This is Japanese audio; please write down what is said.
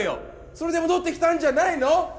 それで戻ってきたんじゃないの？